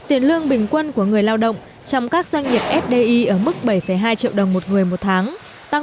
tiền lương bình quân của người lao động trong các doanh nghiệp sdi ở mức sáu tám triệu đồng một người một tháng tăng một mươi sáu bảy